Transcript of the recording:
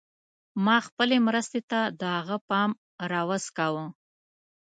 ما خپلې مرستې ته د هغه پام راوڅکاوه.